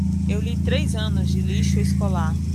Eu li três anos de lixo escolar.